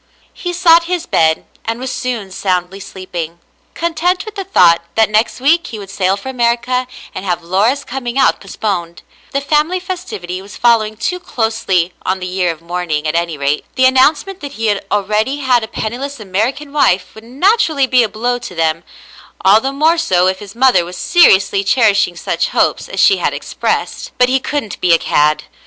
He sought his bed, and was soon soundly sleeping, content with the thought that next week he would sail for America and have Laura's coming out postponed. The family festivity was following too closely on the year of mourning, at any rate. The announcement that he already had a penniless American wife would naturally be a blow to them, all the more so if his mother was seriously cherishing such hopes as she had expressed ; but he couldn't be a cad.